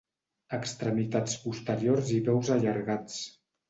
Extremitats posteriors i peus allargats.